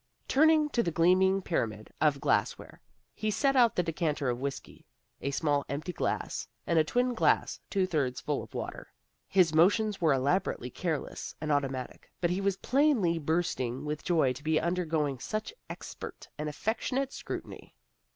Turning to the gleaming pyramid of glassware, he set out the decanter of whiskey, a small empty glass, and a twin glass two thirds full of water. His motions were elaborately careless and automatic, but he was plainly bursting with joy to be undergoing such expert and affectionate scrutiny.